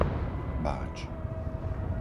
Báč